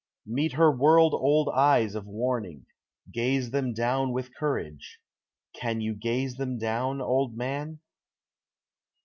Meet her world old eyes of warning! Gaze them down with courage! _Can You gaze them down, old man?